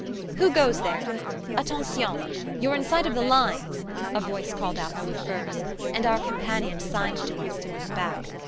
"Who goes there? Attention! You're in sight of the lines!" a voice called out from the firs, and our companion signed to us to move back.